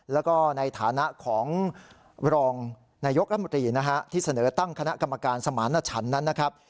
แล้วก็ในฐานะของรองนายกรัฐมนตรีนะฮะที่เสนอตั้งคณะกรรมการสมารณชันนั้นนะครับ